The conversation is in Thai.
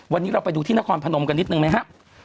วันนี้เราไปดูที่นครพนมกันนิดนึงไหมครับ